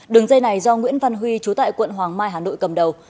đường dây này do nguyễn văn huy trú tại quận hoàng mai hà nội cầm đầu